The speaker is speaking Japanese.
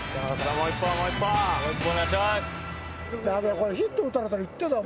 もう１本お願いします！